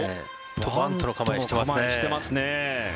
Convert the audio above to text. バントの構えをしていますね。